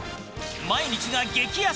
毎日が激安。